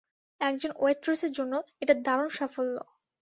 একজন ওয়েট্রেসের জন্য এটা দারুণ সাফল্য।